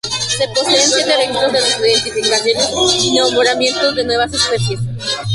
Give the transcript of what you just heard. Se poseen siete registros de sus identificaciones y nombramientos de nuevas especies.